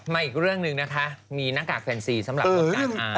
อีกเรื่องหนึ่งนะคะมีหน้ากากแฟนซีสำหรับการอ่าน